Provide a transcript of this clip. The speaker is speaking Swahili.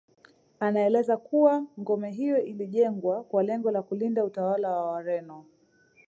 Anaeleza kuwa ngome hiyo ilijengwa kwa lengo la kulinda utawala wa Wareno